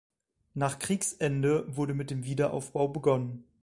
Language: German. Nach Kriegsende wurde mit dem Wiederaufbau begonnen.